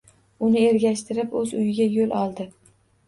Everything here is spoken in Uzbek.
Uni ergashtirib o`z uyiga yo`l oldi